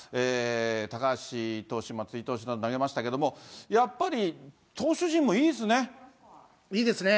高橋投手、松井投手など投げましたけれども、やっぱり投手陣もいいですね。